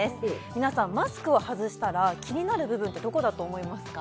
皆さんマスクを外したら気になる部分ってどこだと思いますか？